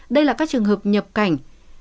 đây là các trường hợp nhập cảnh